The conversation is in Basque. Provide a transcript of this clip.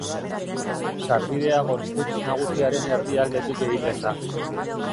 Sarbidea gorputz nagusiaren erdialdetik egiten da.